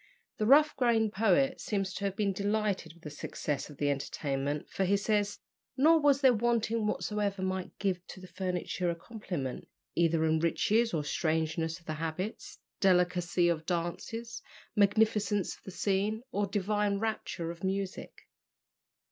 The rough grained poet seems to have been delighted with the success of the entertainment, for he says, "Nor was there wanting whatsoever might give to the furniture a complement, either in riches or strangeness of the habits, delicacy of dances, magnificence of the scene, or divine rapture of music."